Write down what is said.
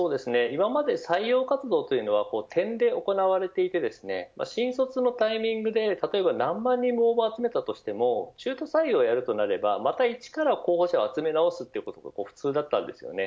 今まで採用活動は点で行われていて新卒のタイミングで例えば、何万人も応募を集めたとしても中途採用のやるとなるとまた１から候補者を集めないといけないのが普通です。